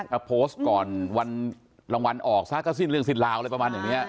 ถ้าโพสต์ก่อนวันรางวัลออกซะก็สิ้นเรื่องสิ้นราวอะไรประมาณอย่างนี้